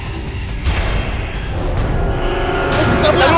eh buka dulu